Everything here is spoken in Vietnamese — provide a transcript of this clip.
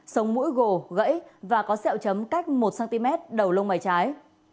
sống mũi gồ gãy và có sẹo chấm cách một cm đầu lông mày trái